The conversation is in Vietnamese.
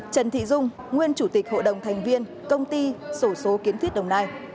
trần thị dung nguyên chủ tịch hội đồng thành viên công ty sổ số kiến thiết đồng nai